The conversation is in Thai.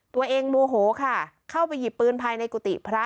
โมโหค่ะเข้าไปหยิบปืนภายในกุฏิพระ